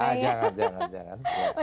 jangan jangan jangan